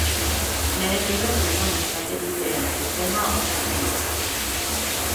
Denek ere Plutonen sateliteen sistema osatzen dute.